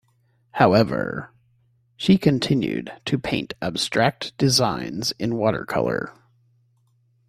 However, she continued to paint abstract designs in watercolour.